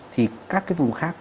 thì các cái vùng khác